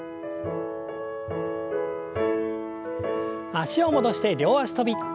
脚を戻して両脚跳び。